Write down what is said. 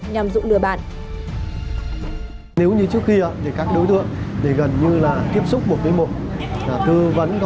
nhằm dụng lừa bạn